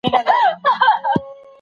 له کچکول سره فقېر را سره خاندي